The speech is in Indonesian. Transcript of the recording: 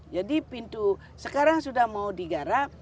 jadi pintu sekarang sudah mau digarap